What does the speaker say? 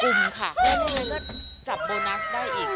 แล้วเราก็จับโบนัสได้อีก